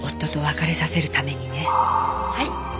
はい。